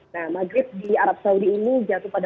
nah maghrib di arab saudi ini berlangsung